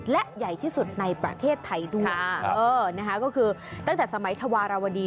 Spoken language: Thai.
และใหญ่ที่สุดในประเทศไทยด้วยนะคะก็คือตั้งแต่สมัยธวารวดี